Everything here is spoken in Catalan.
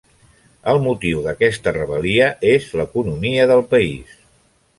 El motiu d'aquesta rebel·lia és l'economia del país.